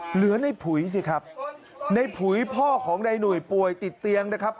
เหลือในผุยสิครับในผุยพ่อของนายหนุ่ยป่วยติดเตียงนะครับ